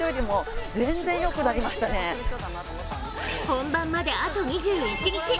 本番まであと２１日。